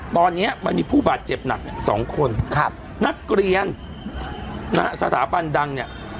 ตอนเนี้ยมันมีผู้บาดเจ็บหนักเนี้ยสองคนครับนักเรียนนักสถาบันดังเนี้ย